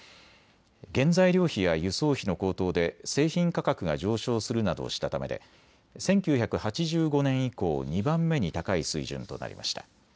原材料費や輸送費の高騰で製品価格が上昇するなどしたためで１９８５年以降２番目に高い水準となりました。